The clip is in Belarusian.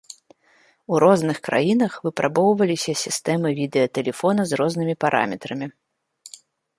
У розных краінах выпрабоўваліся сістэмы відэатэлефона з рознымі параметрамі.